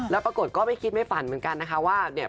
แล้วปรากฏก็ไม่คิดไม่ฝันเหมือนกันนะคะว่าเนี่ย